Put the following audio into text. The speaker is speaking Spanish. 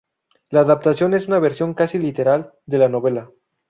La adaptación es un versión casi literal de la novela.